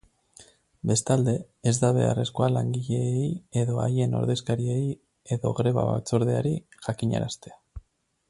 Bestalde, ez da beharrezkoa langileei edo haien ordezkariei edo greba-batzordeari jakinaraztea.